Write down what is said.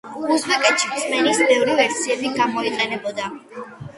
უზბეკეთში რწმენის ბევრი ვერსიები გამოიყენებოდა.